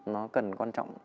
nó cần quan trọng